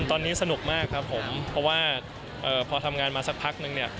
ตอนนี้สนุกมากครับผมเพราะว่าพอทำงานมาสักพักนึงเนี่ย